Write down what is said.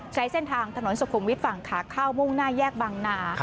ใช้เส้นทางถนนสุขุมวิทย์ฝั่งขาเข้ามุ่งหน้าแยกบางนา